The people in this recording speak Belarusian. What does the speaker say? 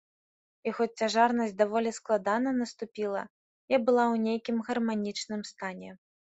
І хоць цяжарнасць даволі складана наступіла, я была ў нейкім гарманічным стане.